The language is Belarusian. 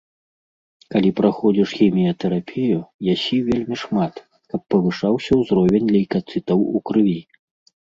Калі праходзіш хіміятэрапію, ясі вельмі шмат, каб павышаўся ўзровень лейкацытаў у крыві.